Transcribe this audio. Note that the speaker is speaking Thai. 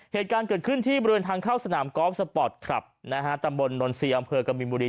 เหตุการณ์เกิดขึ้นที่บริเวณทางเข้าสนามกอล์ฟสปอร์ตคลับนะฮะตำบลนนซีอำเภอกบินบุรี